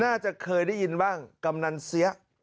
น่าจะเคยได้ยินบ้างกำนันเสีย